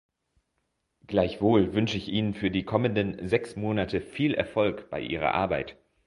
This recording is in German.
Gleichwohl wünsche ich Ihnen für die kommenden sechs Monate viel Erfolg bei Ihrer Arbeit.